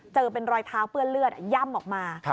เจอเป็นรอยเท้าเปื้อนเลือดย่ำออกมา